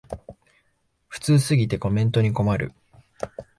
普通すぎてコメントに困る